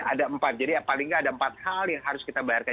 ada empat jadi paling nggak ada empat hal yang harus kita bayarkan